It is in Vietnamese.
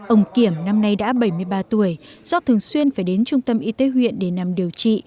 ông kiểm năm nay đã bảy mươi ba tuổi do thường xuyên phải đến trung tâm y tế huyện để nằm điều trị